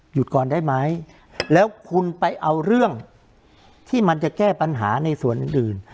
ก่อนได้ไหมแล้วคุณไปเอาเรื่องที่มันจะแก้ปัญหาในส่วนอื่นอื่น